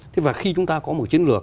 thế và khi chúng ta có một chiến lược